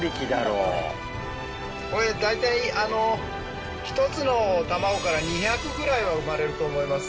これ大体１つの卵から２００ぐらいは生まれると思います。